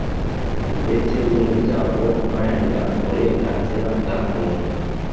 ndetse n'umuryango uharanira uburenganzira bwa muntu